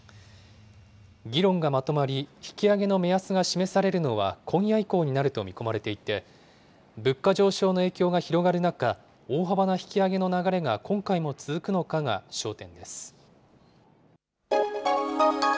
議論がまとまり、引き上げの目安が示されるのは今夜以降になると見込まれていて、物価上昇の影響が広がる中、大幅な引き上げの流れが今回も続くのかが焦点です。